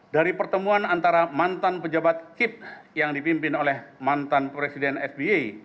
dari pertemuan antara mantan pejabat kip yang dipimpin oleh mantan presiden sby